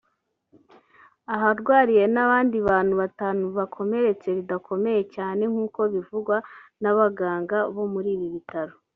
aharwariye n’abandi bantu batanu bakomeretse bidakomeye cyane nkuko bivugwa n’abaganga bo muri ibi bitaro